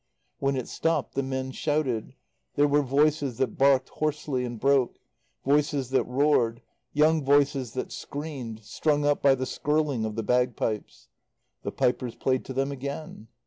When it stopped the men shouted; there were voices that barked hoarsely and broke; voices that roared; young voices that screamed, strung up by the skirling of the bagpipes. The pipers played to them again.